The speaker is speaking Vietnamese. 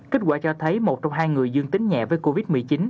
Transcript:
kết quả cho thấy một trong hai người dương tính nhẹ với covid một mươi chín